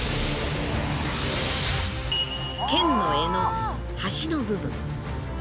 剣の柄の端の部分。